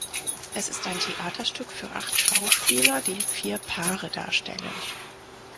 Es ist ein Theaterstück für acht Schauspieler, die vier Paare darstellen.